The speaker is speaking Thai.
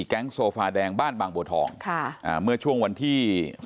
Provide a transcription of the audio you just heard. แก๊งโซฟาแดงบ้านบางบัวทองค่ะอ่าเมื่อช่วงวันที่๑๖